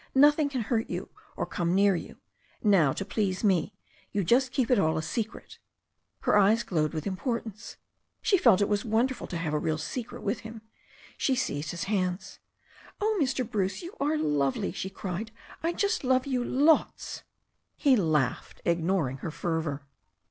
Nothing can hurt you or come near you. Now, to please me, you just keep it all a secret." Her eyes glowed with importance. She felt it was won derful to have a real secret with him: She seized his hands. "Oh, Mr. Bruce, you are lovely," she cried. "I just love you, lots." He laughed, ignoring her fervour.